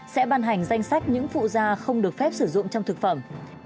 sẽ ban hành danh sách những phụ da không được phép sử dụng trong thực phẩm